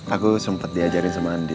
aku sempat diajarin sama andi